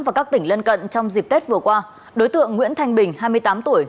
và các tỉnh lân cận trong dịp tết vừa qua đối tượng nguyễn thanh bình hai mươi tám tuổi